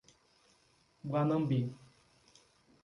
Guanambi